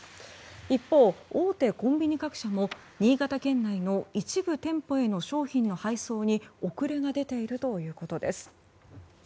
一方、大手コンビニ各社も新潟県内の一部店舗への商品の配送に遅れが出ているということです。